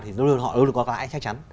thì họ luôn luôn có lãi chắc chắn